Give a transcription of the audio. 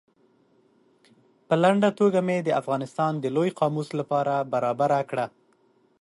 په لنډه توګه مې د افغانستان د لوی قاموس له پاره برابره کړه.